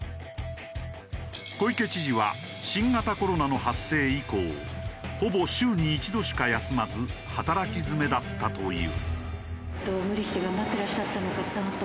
小池知事は新型コロナの発生以降ほぼ週に１度しか休まず働き詰めだったという。